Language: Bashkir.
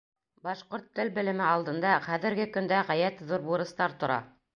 Башҡорт тел белеме алдында хәҙерге көндә ғәйәт ҙур бурыстар тора.